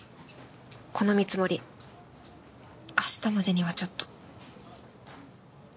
この見積もり明日までにはちょっと。